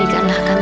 itu mau mau